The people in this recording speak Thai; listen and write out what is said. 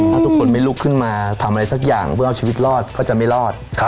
ถ้าทุกคนไม่ลุกขึ้นมาทำอะไรสักอย่างเพื่อเอาชีวิตรอดก็จะไม่รอด